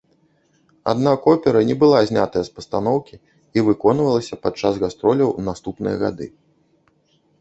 Аднак опера не была знятая з пастаноўкі і выконвалася падчас гастроляў у наступныя гады.